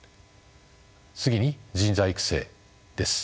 次に人材育成です。